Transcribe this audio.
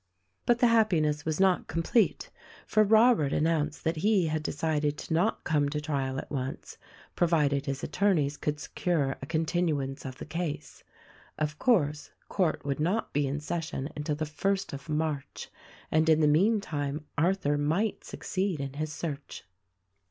But the happiness was not complete, for Robert an nounced that he had decided to not come to trial at once — provided his attorneys could secure a continuance of the case. Of course, court would not be in session until the first of March — and in the meantime Arthur might succeed in his search.